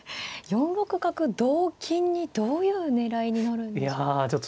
４六角同金にどういう狙いになるんでしょう。